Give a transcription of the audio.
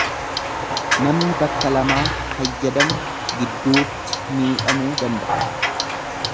Namni bakka lamaa fayyadamu gidduutti miidhamuu danda'a.